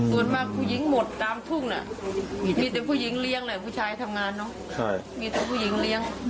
ส่วนมากหญิงหมดตามทุ่มมีแต่ผู้ชายให้ทำงาน